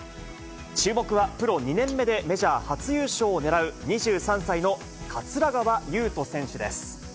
注目は、プロ２年目でメジャー初優勝を狙う、２３歳の桂川有人選手です。